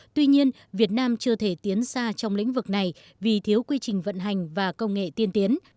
tuy nhiên việt nam chưa thể tiến xa trong lĩnh vực này vì thiếu quy trình vận hành và công nghệ tiên tiến